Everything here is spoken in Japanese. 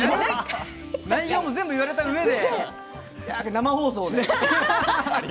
全部言われたうえで生放送で。